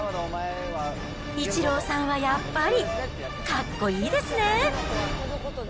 イチローさんはやっぱりかっこいいですね。